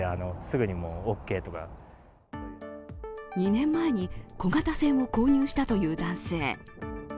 ２年前に小型船を購入したという男性。